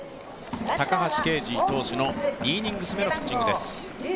高橋奎二投手の２イニングス目のピッチングです。